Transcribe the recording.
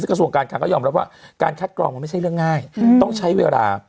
กระทรวงการคลังก็ยอมรับว่าการคัดกรองมันไม่ใช่เรื่องง่ายต้องใช้เวลา